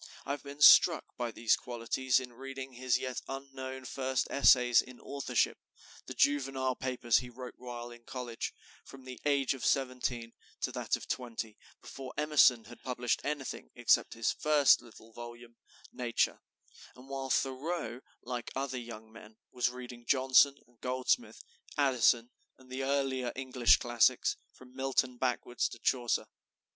I have been struck by these qualities in reading his yet unknown first essays in authorship, the juvenile papers he wrote while in college, from the age of seventeen to that of twenty, before Emerson had published anything except his first little volume, "Nature," and while Thoreau, like other young men, was reading Johnson and Goldsmith, Addison and the earlier English classics, from Milton backward to Chaucer.